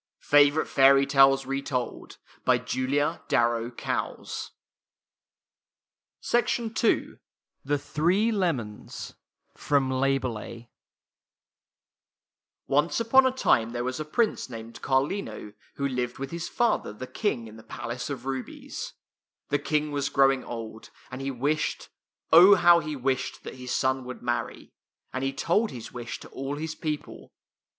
i Favorite Fairy Tales Retold THE THREE LEMONS O NCE upon a time there was a prince named Carlino who lived with his father, the King, in the Palace of Rubies. The King was growing old, and he wished — Oh, how he wished !— that his son would marry. And he told his wish to all his people.